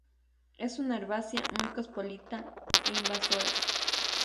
Es una herbácea muy cosmopolita, e invasora.